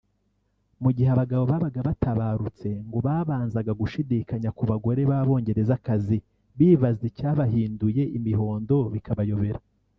Mu gihe abagabo babaga batabarutse ngo babanzaga gushidikanya ku bagore b’Abongerezakazi bibaza icyabahinduye imihondo bikabayobera